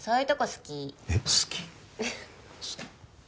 好き？